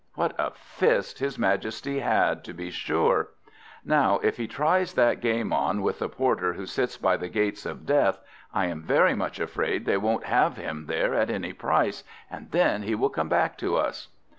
What a fist his majesty had, to be sure! Now if he tries that game on with the porter who sits by the gates of Death, I am very much afraid they won't have him there at any price, and then he will come back to us!"